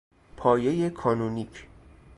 پایهی کانونیک